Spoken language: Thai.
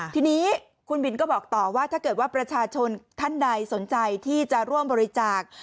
ทีนี้คุณบินก็บอกต่อว่าถ้าเกิดว่าประชาชนท่านใดสนใจที่จะร่วมบริจาค